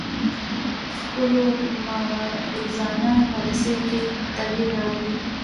خپلو مغرضانه پالیسیو کې تغیر راولي